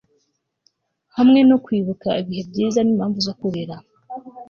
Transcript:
hamwe no kwibuka ibihe byiza n'impamvu zo kurira